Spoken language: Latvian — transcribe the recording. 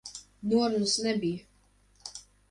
Norunas nebija.